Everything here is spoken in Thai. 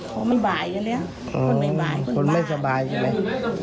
คนไม่บ่ายกันเนี้ยคนไม่บ่ายคนไม่สบายใช่ไหม